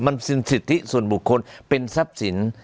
มันเป็นสิทธิส่วนบุคคลเป็นทรัพย์สิน